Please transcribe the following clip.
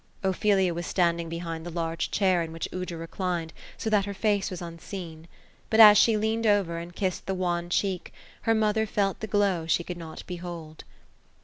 Ophelia was standing behind the large chair in which Aoudra reclin ed, so that her face was unseen ; but as she leaned over, and kissed the wan cheek, her mother felt the glow she could not behold.